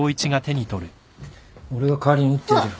俺が代わりに打ってやるよ。